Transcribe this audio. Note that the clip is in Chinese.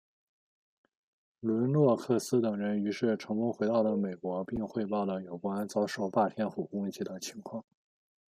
伦诺克斯等人于是成功回到了美国并汇报了有关遭受霸天虎攻击的情况。